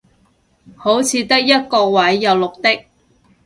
好似得一個位有綠的